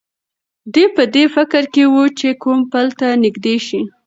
دی په دې فکر کې و چې کوم پل ته نږدې شي.